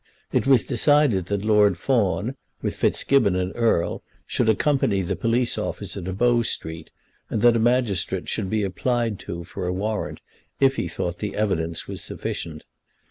It was decided that Lord Fawn, with Fitzgibbon and Erle, should accompany the police officer to Bow Street, and that a magistrate should be applied to for a warrant if he thought the evidence was sufficient.